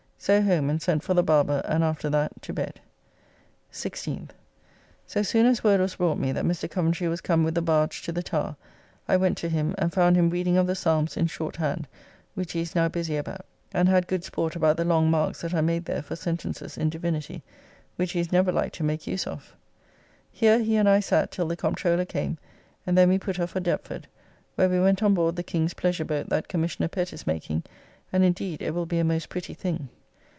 So home and sent for the Barber, and after that to bed. 16th. So soon as word was brought me that Mr. Coventry was come with the barge to the Towre, I went to him, and found him reading of the Psalms in short hand (which he is now busy about), and had good sport about the long marks that are made there for sentences in divinity, which he is never like to make use of. Here he and I sat till the Comptroller came and then we put off for Deptford, where we went on board the King's pleasure boat that Commissioner Pett is making, and indeed it will be a most pretty thing.